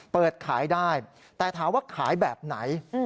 เปิดขายได้แต่ถามว่าขายแบบไหน